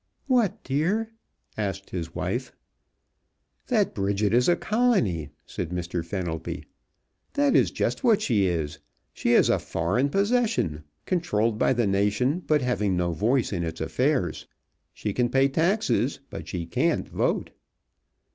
"What, dear?" asked his wife. "That Bridget is a colony," said Mr. Fenelby. "That is just what she is! She is a foreign possession, controlled by the nation, but having no voice in its affairs. She can pay taxes, but she can't vote."